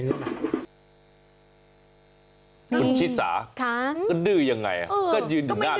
คุณชิดสาค่ะก็ดือยังไงก็ยืนอยู่ด้านรถ